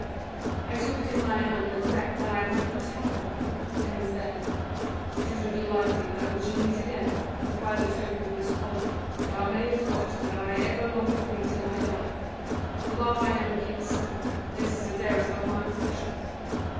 "I took it in my hand and wept that I might not help him. And he said: 'It is little likely that we shall meet again; but by the token of this collar thou mayest wot that I ever long for thee till I die: for though I am a king's son, this is the dearest of my possessions.'